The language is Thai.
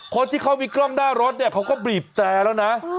คนที่เขามีกล้องหน้ารถเนี่ยเขาก็บีบแต่แล้วนะ